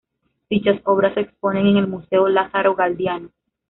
Dichas obras se exponen en el Museo Lázaro Galdiano.